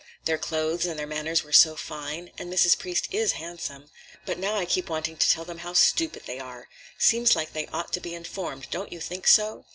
Their clothes and their manners were so fine, and Mrs. Priest is handsome. But now I keep wanting to tell them how stupid they are. Seems like they ought to be informed, don't you think so?"